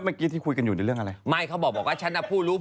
เปิดให้ดูตลอดไม่ใช่เหรอ